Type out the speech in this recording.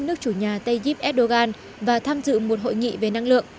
nước chủ nhà tayyip erdogan và tham dự một hội nghị về năng lượng